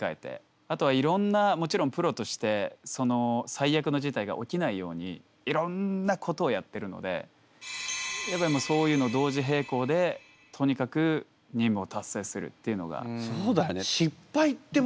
あとはいろんなもちろんプロとして最悪の事態が起きないようにいろんなことをやってるのでやっぱりそういうのを同時並行でとにかく任務を達成するっていうのが。